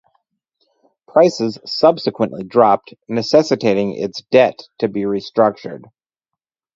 Prices subsequently dropped, necessitating its debt to be restructured.